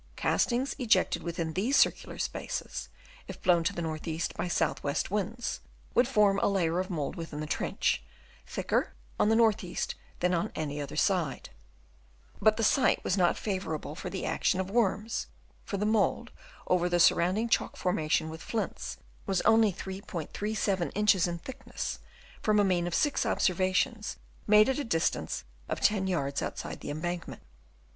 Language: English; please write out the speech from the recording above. Castings ejected within these circular spaces, if blown to the north east by south west winds would form a layer of mould within the trench, thicker on the north eastern than on any other side. But the site was not favourable for the action of worms, for the mould over the surrounding Chalk formation with flints, was only 3*37 inches in thickness, from a mean of Chap. VI. CASTINGS BLOWN TO LEEWARD. 291 six observations made at a distance of 10 yards outside the embankment.